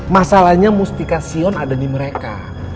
masalahnya mustika sion ada di mereka